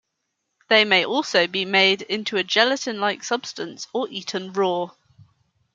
They may also be made into a gelatin-like substance or eaten raw.